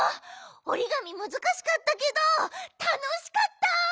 おりがみむずかしかったけどたのしかった！